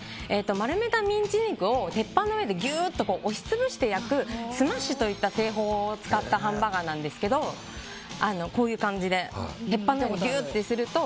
丸めたミンチ肉を鉄板の上でギューッと押し潰して焼くスマッシュという製法を使ったハンバーガーなんですけど鉄板の上でギューッとすると